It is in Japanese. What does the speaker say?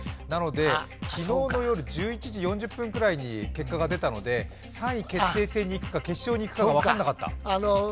なので、昨日の夜１１時４０分くらいの結果が出たので３位決定戦にいくか、決勝にいくかが分からなかった。